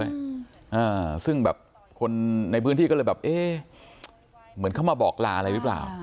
อ่าซึ่งแบบคนในพื้นที่ก็เลยแบบเอ๊ะเหมือนเขามาบอกลาอะไรหรือเปล่า